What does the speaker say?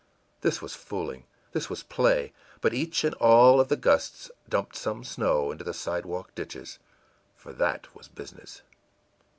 This was fooling, this was play; but each and all of the gusts dumped some snow into the sidewalk ditches, for that was business.